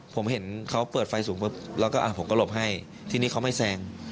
ผมเห็นเขาเปิดไฟสูงปุ๊บแล้วก็ผมก็หลบให้ทีนี้เขาไม่แซง